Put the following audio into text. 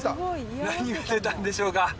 何が出たんでしょうか？